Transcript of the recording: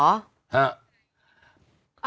ฮะ